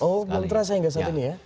oh belum terasa yang ada saat ini ya